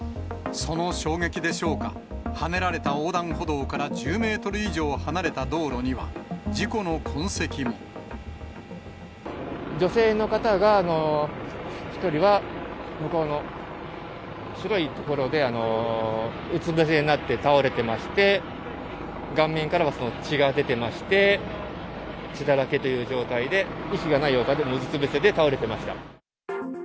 その衝撃でしょうか、はねられた横断歩道から１０メートル以上離れた道路には、事故の女性の方が、１人は向こうの白い所で、うつぶせになって倒れてまして、顔面からは血が出てまして、血だらけという状態で、意識のないような状態でうつぶせで倒れていました。